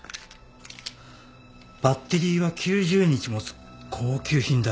バッテリーは９０日持つ高級品だ。